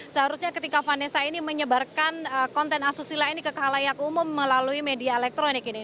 seharusnya ketika vanessa ini menyebarkan konten asusila ini ke kalayak umum melalui media elektronik ini